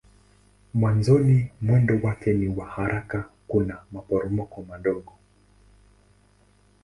Mwanzoni mwendo wake ni wa haraka kuna maporomoko madogo.